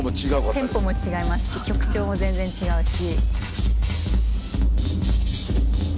テンポも違いますし曲調も全然違うし。